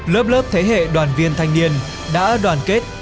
lớp lớp thế hệ đoàn viên thanh niên đã đoàn kết